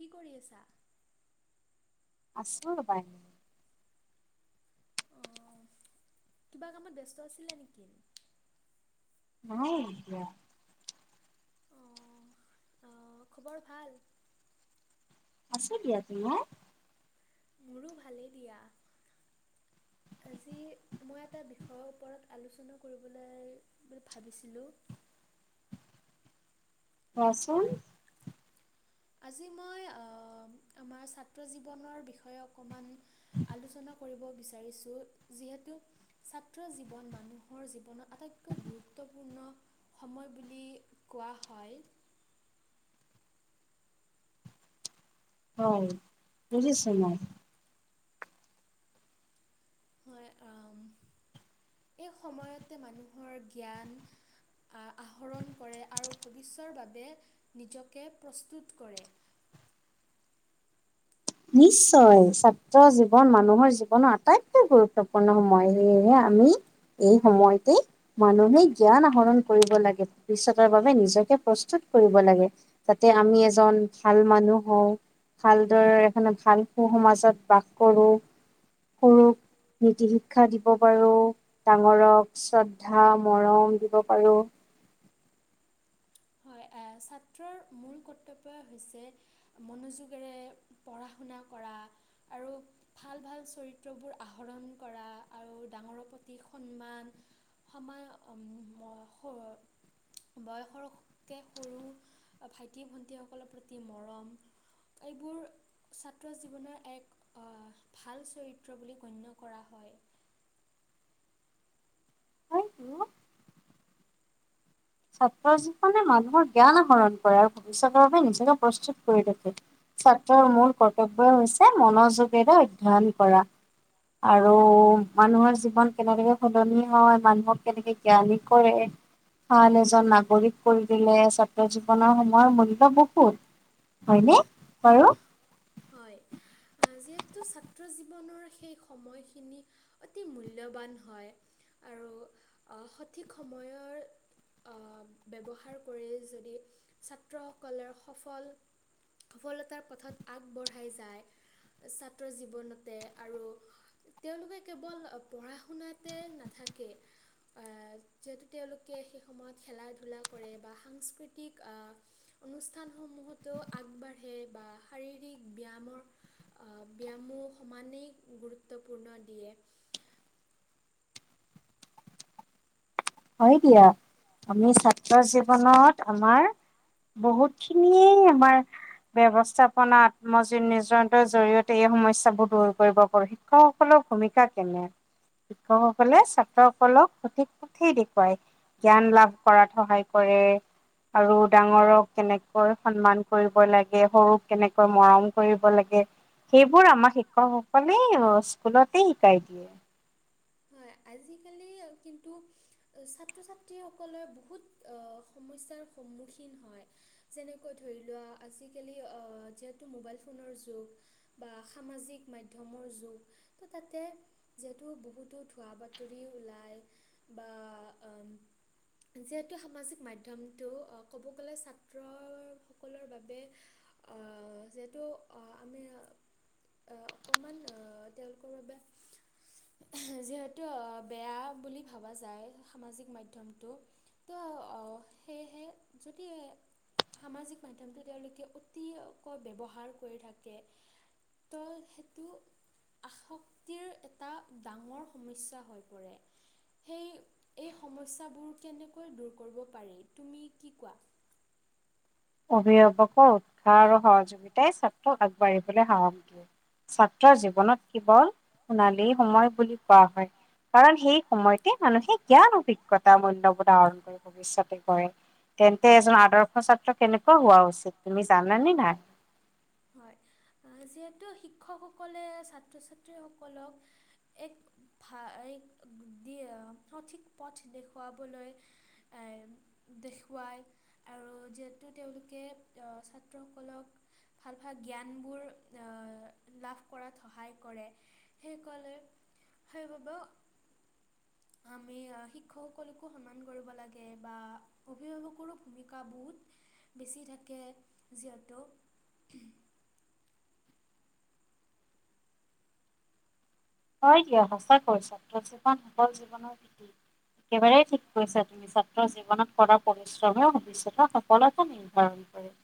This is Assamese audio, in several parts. কি কৰি আছা? আছোঁ ৰবা এনে। অ', কিবা কামত ব্যস্ত আছিলা নেকি? নাই এতিয়া। অ', অ' খবৰ ভাল? আছো দিয়া, তোমাৰ? মোৰো ভালেই দিয়া। [inaudible] আজি, মই এটা বিষয়ৰ ওপৰত আলোচনা কৰিবলৈ বুলি ভাবিছিলোঁ। কোৱাচোন। আজি মই আহ, আমাৰ ছাত্ৰ জীৱনৰ বিষয়ে অকণমান আলোচনা কৰিব বিচাৰিছো, যিহেতু ছাত্ৰ জীৱন মানুহৰ জীৱনৰ আটাইতকৈ গুৰুত্বপূৰ্ণ সময় বুলি কোৱা হয়। হয়, বুজিছো মই। হয় আহ, এই সময়তে মানুহৰ জ্ঞান আহ, আহৰণ কৰে আৰু ভৱিষ্যৰ বাবে, নিজকে প্ৰস্তুত কৰে। নিশ্চয়, ছাত্ৰ জীৱন মানুহৰ জীৱনৰ আটাইতকৈ গুৰুত্বপূৰ্ণ সময়। সেয়েহে আমি, এই সময়তে মানুহে জ্ঞান আহৰণ কৰিব লাগে। ভৱিষ্যতৰ বাবে নিজকে প্ৰস্তুত কৰিব লাগে। যাতে আমি এজন ভাল মানুহ হওঁ, ভালদৰে এখন ভাল সু সমাজত বাস কৰোঁ, সৰুক, নীতি শিক্ষা দিব পাৰো। ডাঙৰক শ্ৰদ্ধা মৰম দিব পাঁৰো। হয়, আহ ছাত্ৰৰ মূল কৰ্তব্যই হৈছে মনোযোগেৰে পঢ়া শুনা কৰা, আৰু ভাল, ভাল চৰিত্ৰবোৰ আহৰণ কৰা, আৰু ডাঙৰৰ প্ৰতি সন্মান সমায় আহ, উম, বয়সৰ, বয়সৰ [unintelligible] সৰু অ, ভাইটি- ভণ্টীসকলৰ প্ৰতি মৰম এইবোৰ ছাত্ৰ জীৱনৰ এক অ, ভাল চৰিত্ৰ বুলি গণ্য কৰা হয়। হয়তো ছাত্ৰ জীৱনে মানুহৰ জ্ঞান আহৰণ কৰে আৰু ভৱিষ্যতৰ বাবে নিজকে প্ৰস্তুত কৰি ৰাখে। ছাত্ৰৰ মূল কৰ্তব্যই হৈছে মনোযোগেৰে অধ্যয়ন কৰা। আৰু মানুহৰ জীৱন কেনেদৰে সলনি হয় মানুহক কেনেকে জ্ঞানী কৰে ভাল এজন নাগৰিক কৰি দিলে ছাত্ৰ জীৱনৰ সময়ৰ মূল্য বহুত। হয়নে বাৰু? হয় আ যিহেতু ছাত্ৰ জীৱনৰ সেই সময়খিনি অতি মূল্যৱান হয় আৰু অ, সঠিক সময়ৰ অ, ব্যৱহাৰ কৰে যদি ছাত্ৰসকলৰ সফল সফলতাৰ পথত আগবঢ়াই যায় ছাত্ৰ জীৱনতে আৰু তেওঁলোকে কেৱল [unintelligible] পঢ়া শুনাতে নাথাকে আ যিহেতু তেওঁলোকে সেই সময়ত খেলা ধূলা কৰে বা সাংস্কৃতিক আ অনুষ্ঠান সমূহতো আগবাঢ়ে বা শাৰীৰিক ব্যায়ামৰ অ, ব্যায়ামো সমানেই গুৰুত্বপূৰ্ণ দিয়ে। হয় দিয়া আমি ছাত্ৰ জীৱনত আমাৰ বহুতখিনিয়ে আমাৰ ব্যৱস্থাপনাত [unintelligible] জৰিয়তে এই সমস্যা [unintelligible] দূৰ কৰিব পাৰো শিক্ষকসকলৰ ভূমিকা কেনে? শিক্ষকসকলে ছাত্ৰসকলক সঠিক সেই দেখুৱাই জ্ঞান লাভ কৰাত সহায় কৰে। আৰু ডাঙৰক কেনেকৈ সন্মান কৰিব লাগে, সৰুক কেনেকৈ মৰম কৰিব লাগে সেইবোৰ আমাক শিক্ষকসকলে [unintelligible] স্কুলতে শিকাই দিয়ে। হয় আজিকালি কিন্তু ছাত্ৰ-ছাত্ৰীসকলে বহুত অ, সমস্যাৰ সন্মুখীন হয় যেনেকৈ ধৰি লোৱা আজিকালি অ, যিহেতু মোবাইল ফোনৰ যুগ বা সামাজিক মাধ্যমৰ যুগ ত' তাতে যিহেতু বহুতো ভুৱা বাতৰি ওলাই বা যিহেতু সামাজিক মাধ্যমটো অ, ক'ব গ'লে ছাত্ৰসকলৰ বাবে অ, যিহেতু অ, আমি অ, অকণমান অ, তেওঁলোকৰ বাবে [unintelligible] যিহেত তু বেয়া বুলি ভাবা যায় সামাজিক মাধ্যমটো ত' অ, সেয়েহে যদি এ সামাজিক মাধ্যমটো তেওঁলোকে অতিকৈ ব্যৱহাৰ কৰি থাকে তল সেইটো আসক্তিৰ এটা ডাঙৰ সমস্যা হৈ পৰে সেই এই সমস্যাবোৰ কেনেক কৈ দূৰ কৰিব পাৰি তুমি কি কোৱা? অভিভাৱকৰ উৎসাহ আৰু সহযোগিতাই ছাত্ৰক আগবাঢ়িবলৈ সাহস দিয়ে। ছাত্ৰই জীৱনত কেৱল সোণালী সময় বুলি কোৱা হয় কাৰণ সেই সময়তে মানুহে জ্ঞান অভিজ্ঞতা মূল্যবোধ আহৰণ কৰে। ভৱিষ্যতে কৰে তেন্তে এজন আদৰ্শ ছাত্ৰ কেনেকুৱা হোৱা উচিত তুমি জানানে নাই? হয় অ, যিহেতু শিক্ষকসকলে ছাত্ৰ- ছাত্ৰীসকলক এক ভা এক দিয় প্ৰথিক পথ দেখুৱাবলৈ [unintelligible] দেখুৱায় আৰু যিহেতু তেওঁলোকে অ' ছাত্ৰসকলক ভাল, ভাল জ্ঞানবোৰ অ' লাভ কৰাত সহায় কৰে। সেই কলে, সেই বাবে আমি অ' শিক্ষকসকলকো সন্মান কৰিব লাগে, বা অভিভাৱকৰো ভূমিকা বহুত বেছি থাকে যিহেতু [inaudible] হয়, দিয়া সঁচা কৈছা জীৱন সকল জীৱনৰ [unintelligible] একেবাৰে ঠিক কৈছা তুমি। ছাত্ৰৰ জীৱনত কৰা পৰিশ্ৰমেও ভৱিষ্যতৰ সফলতা নিৰ্ধাৰণ কৰে।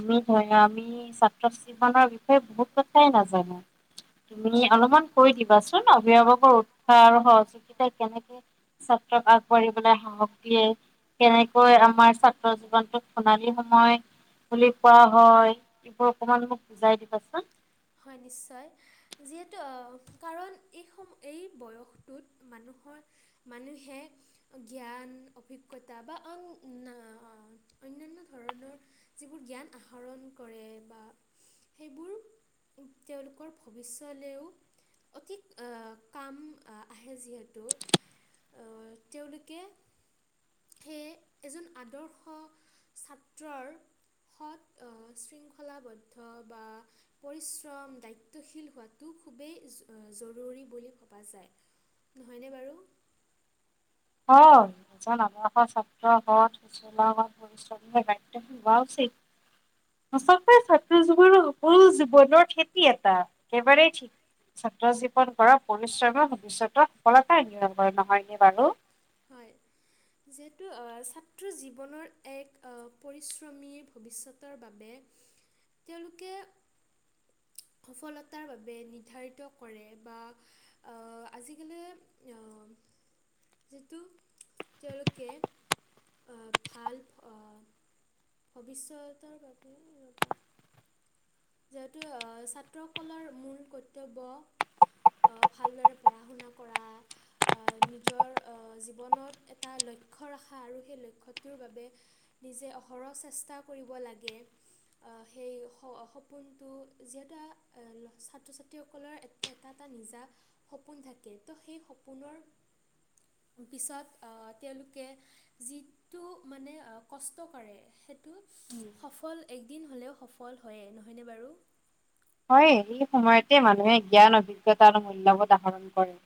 আমি ধৰি আমি ছাত্ৰ জীৱনৰ বিষয়ে বহুত কথাই নাজানো। তুমি অলপমান কৈ দিবাচোন, অভিভাৱকৰ উৎসাহ আৰু সহযোগিতা কেনেকে ছাত্ৰক আগবাঢ়িবলৈ সাহস দিয়ে কেনেকৈ আমাৰ ছাত্ৰ জীৱনতোক সোণালী সময় বুলি কোৱা হয়। এইবোৰ অকমান মোক বুজায় দিবাচোন। হয়, নিশ্চয় যিহেতু অ' কাৰণ এই সম এই বয়সটোত মানুহৰ মানুহে জ্ঞান অভিজ্ঞতা বা আন [unintelligible] অন্যান্য ধৰণৰ যিবোৰ জ্ঞান আহৰণ কৰে বা সেইবোৰ উম, তেওঁলোকৰ ভৱিষ্যলেও অতি অ' কাম অ' আহে যিহেতু অ', তেওঁলোকে সেয়ে এজন আদৰ্শ ছাত্ৰৰ সৎ শৃংখলাবদ্ধ বা পৰিচ [unintelligible] দায়িত্বশীল হোৱাটো খুবেই অ' জৰুৰী বুলি ভবা যায়। নহয়নে বাৰু? হয়, এজন আদৰ্শ ছাত্ৰ ঘৰত [unintelligible] [unintelligible] হোৱা উচিত। আচলতে ছাত্ৰ জীৱনৰ সকলো জীৱনৰ খেতি এটা একেবাৰেই থিক ছাত্ৰ জীৱন কৰা পৰিশ্ৰমৰ ভৱিষ্যতৰ সফলতা নিয়ম হয়, নহয় নি বাৰু? হয়। এইটো, অ' ছাত্ৰ জীৱনৰ এক অ' পৰিশ্ৰমী ভৱিষ্যতৰ বাবে তেওঁলোকে সফলতাৰ বাবে নিৰ্ধাৰিত কৰে বা অ', আজিকালি অ' যিটো তেওঁলোকে অ' ভাল ফ ভৱিষ্যতৰ বাবে এ ৰ'বা যিহেতু অ' ছাত্ৰসকলৰ মূল কৰ্তব্য অ', ভালদৰে পঢ়া শুনা কৰা। অ', নিজৰ অ' জীৱনত এটা লক্ষ্য ৰাখা আৰু সেই লক্ষ্যটোৰ বাবে নিজেই অহৰহ চেষ্টা কৰিব লাগে অ' সেই [unintelligible] পোনটো যিহেতু ছাত্ৰ ছাত্ৰীসকলৰ এটা, এটা নিজা সপোন থাকে, ত' সেই সপোনৰ পিছত অ' তেওঁলোকে যিটো মানে অ' কষ্ট কৰে, সে টো, সফল একদিন হ'লেও সফল হয়েই নহয়নে বাৰু হইয়েই, এই সময়তে মানুহে জ্ঞান অভিজ্ঞতা আৰু মূল্যবোধ আহাহৰণ কৰে।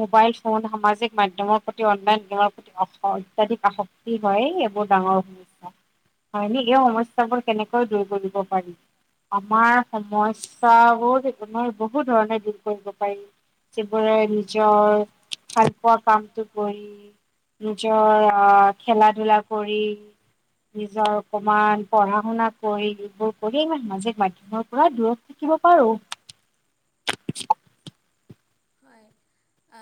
মোবাইল ফোন, সামাজিক মাধ্যয়মৰ প্ৰতি, অনলাইন গেমৰ প্ৰতি [unintelligible] অত্যাধিক আসক্তি হয়, এইবোৰ ডাঙৰ সমস্যা। হয় [unintelligible] এই সমস্যাবোৰ কেনেকৈ দূৰ কৰিব পাৰি? আমাৰ সমস্যা চাহ বহুত [unintelligible] মই বহুত ধৰণে দূৰ কৰিব পাৰিম। যযবোৰে নিজৰ ভাল পোৱা কামটো কৰি নিজৰ আ খেলা-ধূলা কৰি নিজৰ [unintelligible] পঢ়া-শুনা কৰি, এইবোৰ কৰি ই সামাজিক মাধ্যয়মৰ পৰা দূৰ থাকিব পাৰো। হয়। আ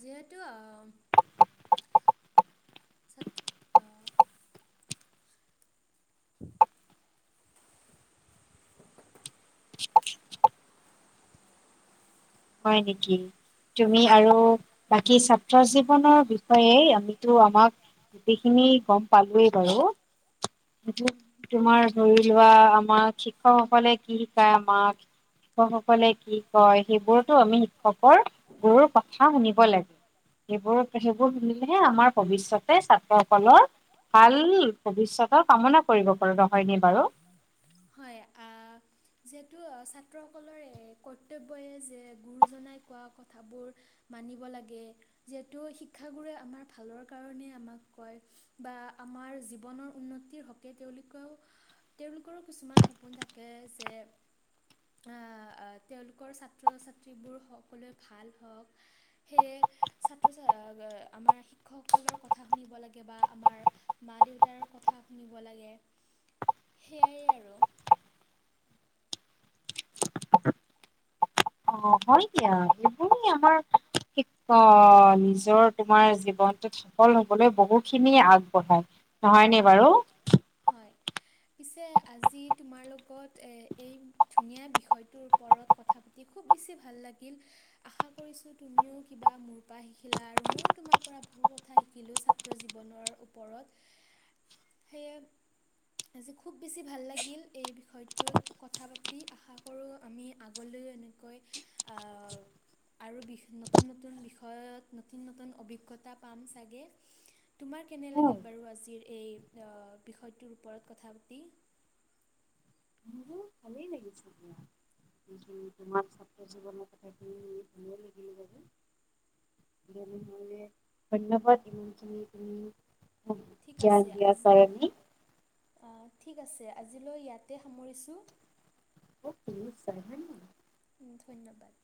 যিহেতু আ ছত অ' হয় নেকি? তুমি আৰু বাকী ছাত্ৰ জীৱনৰ বিষয়ে আমিতো [unintelligible] আমাক গোটেইখিনি গম পালোয়েই বাৰু [unintelligible] তোমাৰ ধৰি লোৱা আমাক শিক্ষকসকলে কি শিকায় আমাক শিক্ষকসকলে কি কয়। সেইবোৰতো আমি শিক্ষকৰ, গুৰুৰ কথা শুনিব লাগে। সেইবোৰত-সেইবোৰ শুনিলেহে আমাৰ ভৱিষ্যয়তে ছাত্ৰসকলৰ ভাল ভৱিষ্যতৰ কামনা কৰিব পাৰো। নহয়নে বাৰু? হয়, আ যিহেতু ছাত্ৰসকলৰ এই কৰ্তব্যই যে গুৰুজনাই কোৱা কথাবোৰ মানিব লাগে। যিহেতু শিক্ষাগুৰে ভালৰ কাৰণে আমাক কয়, বা জীৱনৰ উন্নতিৰ হক কে তেওঁলোকেও, তেওঁলোকৰো কিছুমান সপোন থাকে যে আ-আ তেওঁলোকৰ ছাত্ৰ-ছাত্ৰীবোৰ সকলোৱে ভাল হওঁক। সেয়ে ছাত্ৰ-ছাত্ৰী [unintelligible] আমাৰ শিক্ষকসকলৰ কথা শুনিব লাগে বা আমাৰ মা-দেউতাৰ কথা শুনিব লাগে সেয়াই আৰু। অ', হয় দিয়া। এইবোৰে আমাৰ [unintelligible] অ', নিজৰ তোমাৰ জীৱনটোত সফল হবলৈ বহুখিনি আগবঢ়ায়। নহয়নে বাৰু? হয়। পিছে আজি তোমাৰ লগত এ এই ধুনীয়া বিষয়টোৰ ওপৰত কথা পাতি তি খুব বেছি ভাল লাগিল। আশা কৰিছোঁ তুমিও কিবা মোৰ পৰা শিকিলা আৰু ময়ো তোমাৰ পৰা ব বহু কথা শিকিলোঁ ছাত্ৰ জীৱনৰ ওপৰত। [inaudible] সেয়ে আজি খুব বেছি ভাল লাগিল, এই বিষয়টোত কথা পাতি! আশা কৰোঁ আমি আগলৈও এনেকৈ আ আৰু বি-নতুন নতুন বিষয়ত নতুন নতুন অভিজ্ঞতা পাম চাগে। তোমাৰ কেনে মোৰো লাগিল বাৰু আজিৰ এই বিষয়টোৰ ওপৰত কথা পাতি? ভালেই লাগিছে দিয়া। তোমাক [unintelligible] [unintelligible] ধন্যবাদ ইমানখিনি তুমি মোক জ্ঞান দিয়াৰ বাবে [unintelligible] আ ঠিক আছে। আজিলৈ ইয়াতে সামৰিছোঁ। [unintelligible] উম, ধন্যবাদ।